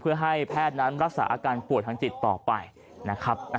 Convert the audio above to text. เพื่อให้แพทย์นั้นรักษาอาการป่วยทางจิตต่อไปนะครับ